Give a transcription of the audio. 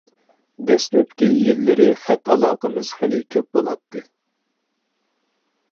دەسلەپكى يىللىرى خەت ئالاقىمىز خېلى كۆپ بولاتتى.